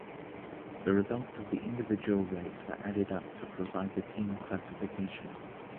The results of the individual race were added up to provide the team classification.